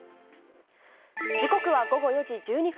時刻は午後４時１２分。